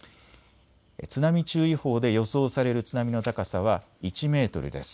津波注意報で予想される津波の高さは１メートルです。